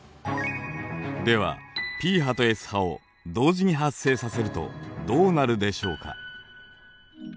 ではＰ波とＳ波を同時に発生させるとどうなるでしょうか。